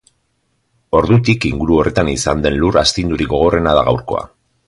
Ordutik, inguru horretan izan den lur astindurik gogorrena da gaurkoa.